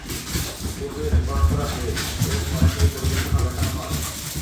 পূর্বে রেকর্ড করা "বেড" এর সরাসরি পরিবেশনা দেখানো হয়।